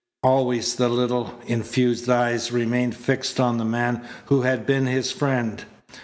Always the little, infused eyes remained fixed on the man who had been his friend.